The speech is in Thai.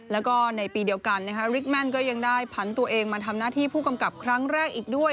แล้วก็ในปีเดียวกันริกแม่นก็ยังได้ผันตัวเองมาทำหน้าที่ผู้กำกับครั้งแรกอีกด้วย